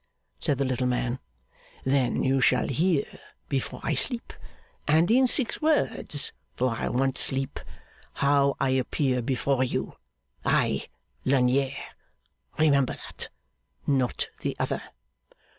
said the little man. 'Then you shall hear before I sleep and in six words, for I want sleep how I appear before you, I, Lagnier. Remember that. Not the other.